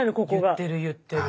言ってる言ってる。